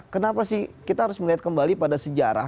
kenapa sih kita harus melihat kembali pada sejarah